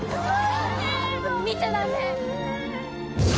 見ちゃダメ！